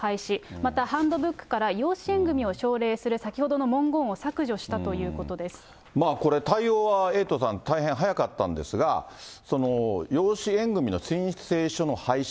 またハンドブックから養子縁組を奨励する先ほどの文言を削除したこれ、対応はエイトさん、大変早かったんですが、養子縁組の申請書の廃止？